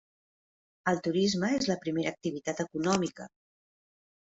El turisme és la primera activitat econòmica.